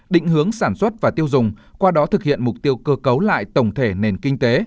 định hướng sản xuất và tiêu dùng qua đó thực hiện mục tiêu cơ cấu lại tổng thể nền kinh tế